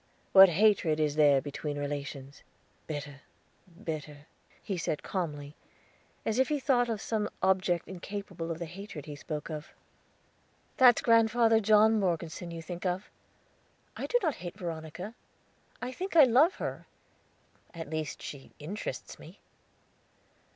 What hatred there is between near relations! Bitter, bitter," he said calmly, as if he thought of some object incapable of the hatred he spoke of. "That's Grandfather John Morgeson you think of. I do not hate Veronica. I think I love her; at least she interests me."